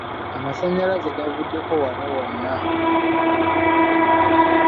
Amasannyalaze gavuddeko wano wonna.